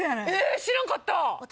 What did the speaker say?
知らんかったまあ